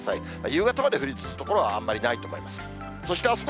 夕方まで降り続く所はあんまりないと思います。